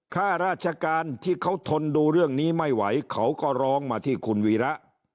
ข้าราชการที่เขาทนดูเรื่องนี้ไม่ไหวเขาก็ร้องมาที่คุณวีระ